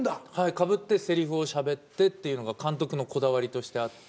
かぶってセリフをしゃべってっていうのが監督のこだわりとしてあって。